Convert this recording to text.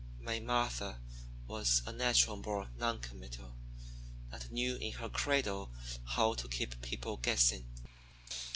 May Martha was a natural born non committal, and knew in her cradle how to keep people guessing.